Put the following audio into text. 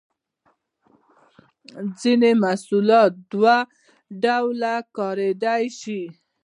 ځینې محصولات دوه ډوله کاریدای شي.